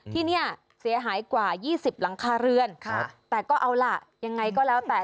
ที่นี่เสียหายกว่า๒๐หลังคาเรือนแต่ก็เอาล่ะยังไงก็แล้วแต่